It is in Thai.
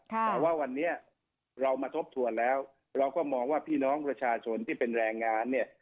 แต่ว่าวันนี้เรามาทบทวนแล้วเราก็มองว่าพี่น้องประชาชนที่เป็นแรงงานเนี่ย